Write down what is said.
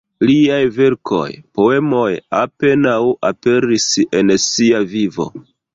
Liaj verkoj, poemoj apenaŭ aperis en sia vivo.